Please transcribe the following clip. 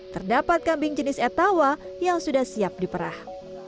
terdapat kambing jenis etawa yang sudah siap diperah